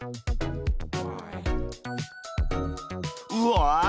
うわ！